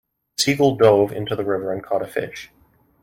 The seagull dove into the river and caught a fish.